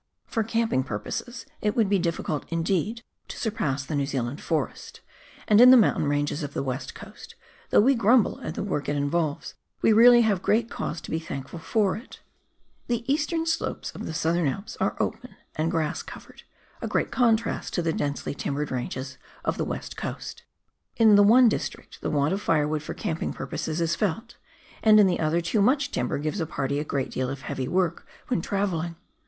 For camping purposes it would be difficult indeed to surpass the New Zealand forest, and in the mountain ranges of the West Coast, though we grumble at the work it involves, we really have great cause to be thaukful for it. The eastern WESTLAND. 35 slopes of the Southern Alps are open and grass covered, a great contrast to the densely timbered ranges of the West Coast. In the one district the want of firewood for camping purposes is felt, and in the other too much timber gives a party a great deal of heavy work when travelling.